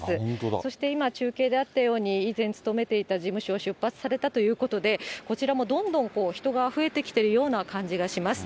そして今、中継であったように、以前勤めていた事務所を出発されたということで、こちらもどんどん人が増えてきているような感じがします。